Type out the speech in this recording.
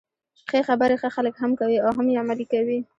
ښې خبري ښه خلک هم کوي او هم يې عملي کوي.